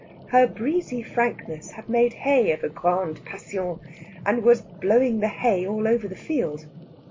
Her breezy frankness had made hay of a grande passion, and was blowing the hay all over the field.